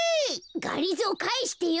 がりぞーかえしてよ。